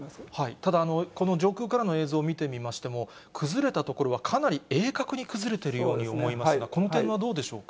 ただ、この上空からの映像を見てみましても、崩れた所はかなり鋭角に崩れているように思いますが、この点はどうでしょうか。